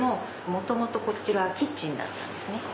元々こちらはキッチンだったんですね。